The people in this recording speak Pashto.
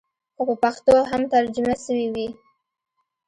خو په پښتو هم ترجمه سوې وې.